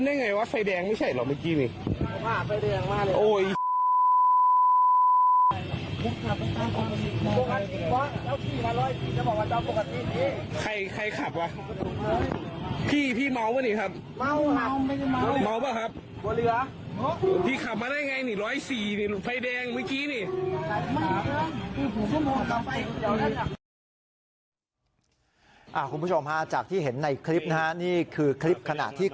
เฮ้ยมึงชนได้ไงวะไฟแดงไม่ใช่เหรอเมื่อกี้นี่